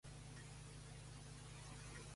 El templo Shoman-in llamado Aizen-san y más.